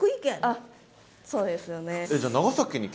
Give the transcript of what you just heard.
あっそうですよね。